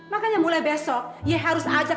makanya mulai besok ye harus aja